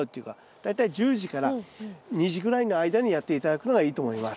大体１０時から２時ぐらいの間にやって頂くのがいいと思います。